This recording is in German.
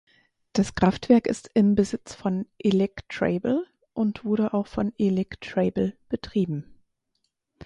Das Kraftwerk ist im Besitz von Electrabel und wurde auch von Electrabel betrieben.